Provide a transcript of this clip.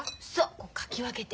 こうかき分けて。